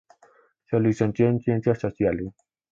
Se licenció en ciencias sociales.